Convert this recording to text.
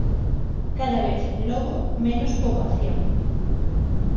Cada vez, logo, menos poboación.